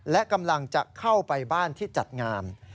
และกำลังจะเข้าไปบ้านที่จัดงาน